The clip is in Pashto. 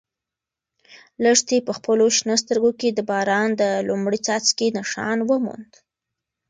لښتې په خپلو شنه سترګو کې د باران د لومړي څاڅکي نښان وموند.